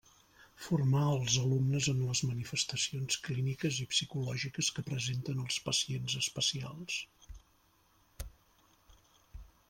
Formar els alumnes en les manifestacions clíniques i psicològiques que presenten els pacients especials.